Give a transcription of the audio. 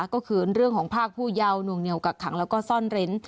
ก็คือเรื่องของภาคผู้เยาว์วงเหนียวกักขังแล้วก็ซ่อนเร้น